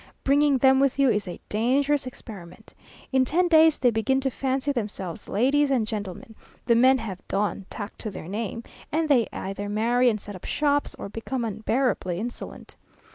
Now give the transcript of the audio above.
Bringing them with you is a dangerous experiment. In ten days they begin to fancy themselves ladies and gentlemen the men have Don tacked to their name; and they either marry and set up shops, or become unbearably insolent.